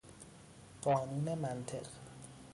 قانون منطق